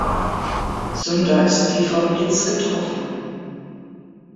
Sunder ist wie vom Blitz getroffen.